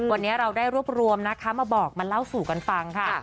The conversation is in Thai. วันนี้เราได้รวบรวมนะคะมาบอกมาเล่าสู่กันฟังค่ะ